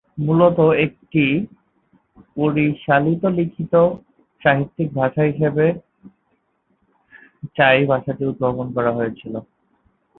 মূলত একটি পরিশীলিত লিখিত, সাহিত্যিক ভাষা হিসেবে চাগাতাই ভাষাটি উদ্ভাবন করা হয়েছিল।